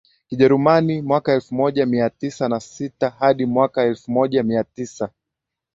Kijerumani mwaka elfu moja mia tisa na sita hadi mwaka elfu moja mia tisa